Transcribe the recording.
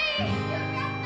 よかった！